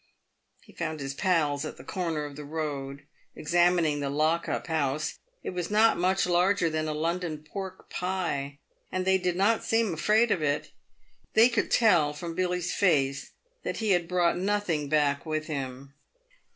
He found his pals at the corner of the road examining the lock up house — it was not much larger than a London pork pie, and they did not seem afraid of it. They could tell from Billy's face that he had brought nothing back with him.